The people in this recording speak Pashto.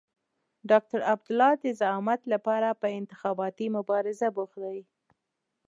ډاکټر عبدالله د زعامت لپاره په انتخاباتي مبارزه بوخت دی.